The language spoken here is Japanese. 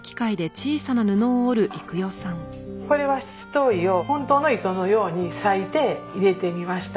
これは七島藺を本当の糸のように裂いて入れてみました。